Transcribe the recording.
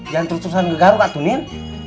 jangan terus terusan ngegaru pak tunin